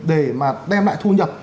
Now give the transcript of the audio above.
để mà đem lại thu nhập